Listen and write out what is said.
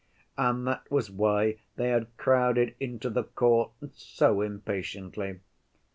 And that was why they had crowded into the court so impatiently.